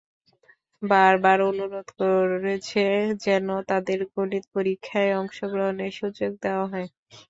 বারবার অনুরোধ করেছে যেন তাদের গণিত পরীক্ষায় অংশগ্রহণের সুযোগ দেওয়া হয়।